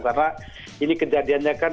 karena ini kejadiannya kan